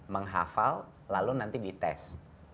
menghafal lalu nanti dites